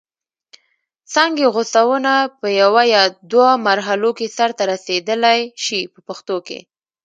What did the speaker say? څانګې غوڅونه په یوه یا دوه مرحلو کې سرته رسیدلای شي په پښتو کې.